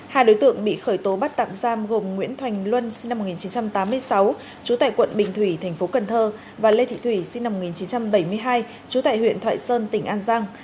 hai đối tượng bị khởi tố bắt tạm giam gồm nguyễn thành luân sinh năm một nghìn chín trăm tám mươi sáu trú tại quận bình thủy thành phố cần thơ và lê thị thủy sinh năm một nghìn chín trăm bảy mươi hai trú tại huyện thoại sơn tỉnh an giang